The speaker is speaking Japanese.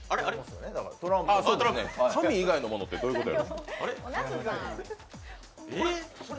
紙以外のものってどういうことや？